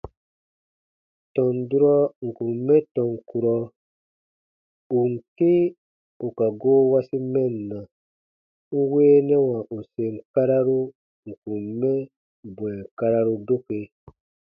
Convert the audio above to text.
Tɔn durɔ ǹ kun mɛ tɔn kurɔ ù n kĩ ù ka goo wasi mɛnna, n weenɛwa ù sèn kararu ǹ kun mɛ bwɛ̃ɛ kararu doke.